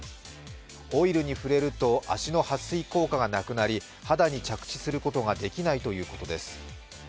オイルに触れると、足の撥水効果がなくなり、肌に着地することができないということです。